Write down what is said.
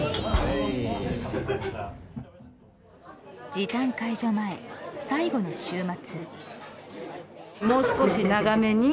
時短解除前、最後の週末。